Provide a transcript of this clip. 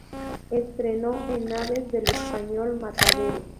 Estreno en Naves del Español Matadero.